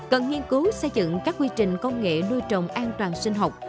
cần nghiên cứu xây dựng các quy trình công nghệ nuôi trồng an toàn sinh học